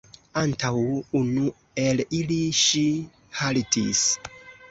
Antaŭ unu el ili ŝi haltis.